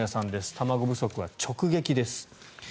卵不足は直撃です。